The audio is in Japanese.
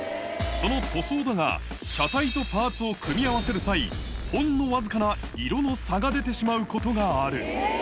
その塗装だが、車体とパーツを組み合わせる際、ほんの僅かな色の差が出てしまうことがある。